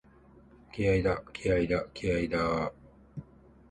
気合いだ、気合いだ、気合いだーっ！！！